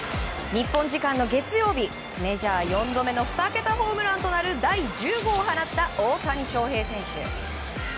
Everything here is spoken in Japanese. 日本時間の月曜日メジャー４度目の２桁ホームランとなる第１０号を放った大谷翔平選手。